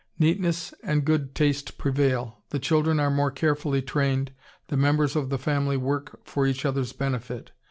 Neatness and good taste prevail, the children are more carefully trained, the members of the family work for each other's benefit.